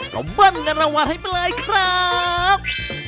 ก็มั่นงานรางวัลให้ไปเลยครับ